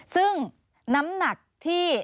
ซึ่งน้ำหนักที่